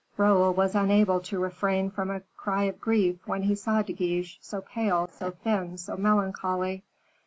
Raoul was unable to refrain from a cry of grief, when he saw De Guiche, so pale, so thin, so melancholy.